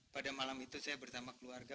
pada malam itu saya bersama keluarga